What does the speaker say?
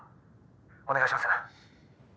☎お願いします。